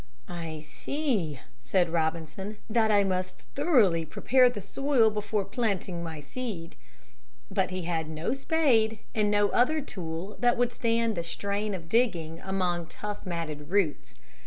"I see," said Robinson, "that I must thoroughly prepare the soil before planting my seed." But he had no spade and no other tool that would stand the strain of digging among tough matted roots.